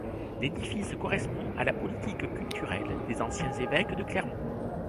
L'édifice correspond à la politique culturelle des anciens évêques de Clermont.